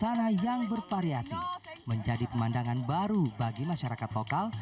dan busana yang bervariasi menjadi pemandangan baru bagi masyarakat lokal